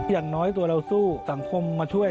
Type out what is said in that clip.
อย่างน้อยตัวเราสู้สังคมมาช่วย